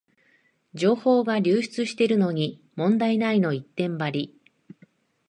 情報が流出してるのに問題ないの一点張り